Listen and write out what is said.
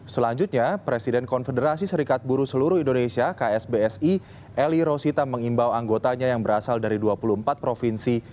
selanjutnya presiden konfederasi serikat buruh seluruh indonesia ksbsi eli rosita mengimbau anggotanya yang berasal dari dua puluh empat provinsi